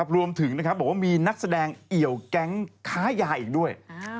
รวมถึงบอกว่ามีนักแสดงเอี่ยวแก๊งค้ายาอีกด้วย